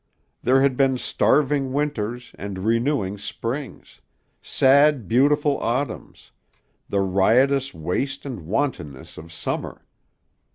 There had been starving winters and renewing springs, sad beautiful autumns, the riotous waste and wantonness of summer.